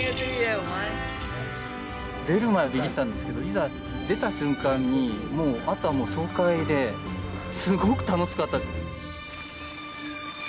出る前はびびったんですけどいざ出た瞬間にあとはもう爽快ですごく楽しかったです。